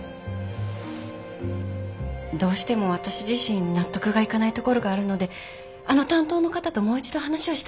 どうしても私自身納得がいかないところがあるのであの担当の方ともう一度話をしたくて。